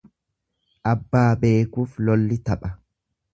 Abbaa beekuuf lolli tapha.